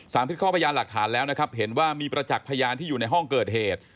พิษข้อพยานหลักฐานแล้วนะครับเห็นว่ามีประจักษ์พยานที่อยู่ในห้องเกิดเหตุ